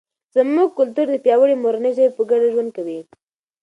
زموږ کلتور د پیاوړي مورنۍ ژبې په ګډه ژوند کوي.